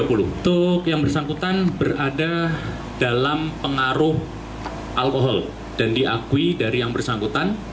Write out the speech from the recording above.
untuk yang bersangkutan berada dalam pengaruh alkohol dan diakui dari yang bersangkutan